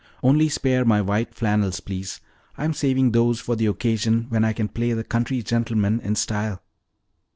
"Only spare my white flannels, please. I'm saving those for the occasion when I can play the country gentleman in style."